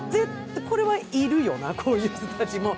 これはいるよな、こういう人たちも。